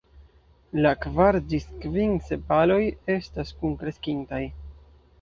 La kvar ĝis kvin sepaloj estas kunkreskintaj.